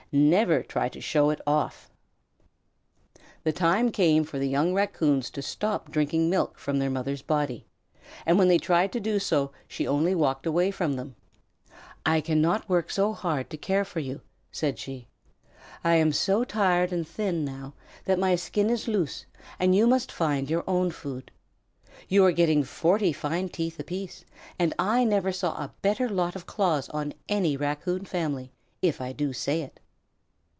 Never try to show it off." The time came for the young Raccoons to stop drinking milk from their mother's body, and when they tried to do so she only walked away from them. "I cannot work so hard to care for you," said she. "I am so tired and thin, now, that my skin is loose, and you must find your own food. You are getting forty fine teeth apiece, and I never saw a better lot of claws on any Raccoon family, if I do say it."